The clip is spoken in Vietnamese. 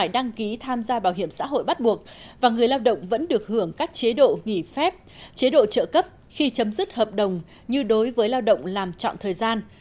đăng ký tham gia bảo hiểm xã hội bắt buộc và người lao động vẫn được hưởng các chế độ nghỉ phép chế độ trợ cấp khi chấm dứt hợp đồng như đối với lao động làm chọn thời gian